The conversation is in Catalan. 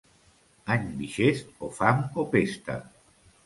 Any bixest, o fam o pesta.